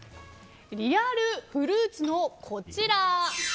リアルフルーツのこちら。